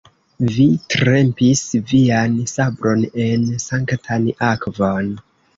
vi trempis vian sabron en sanktan akvon.